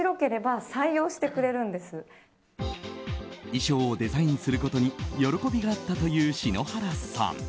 衣装をデザインすることに喜びがあったという篠原さん。